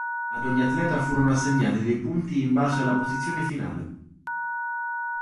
Ad ogni atleta furono assegnati dei punti in base alla posizione finale.